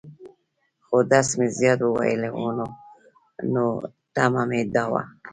خو درس مې زيات وويلى وو، نو تمه مې دا وه.